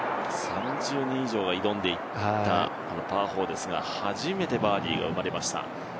３０人以上が挑んでいった、このパー４ですが初めてバーディーが生まれました。